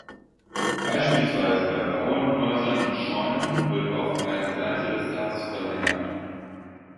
Beispielsweise bei Bauernhäusern und Scheunen wird oft eine Seite des Dachs verlängert.